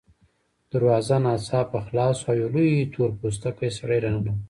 دروازه ناڅاپه خلاصه شوه او یو لوی تور پوستکی سړی راننوت